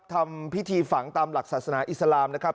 ทำพิธีฝังตามหลักศาสนาอิสลามนะครับ